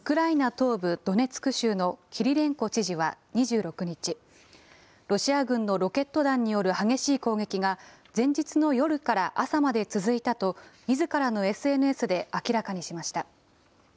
東部ドネツク州のキリレンコ知事は２６日、ロシア軍のロケット弾による激しい攻撃が前日の夜から朝まで続いたと、みずからのＳＮＳで明らかにしました。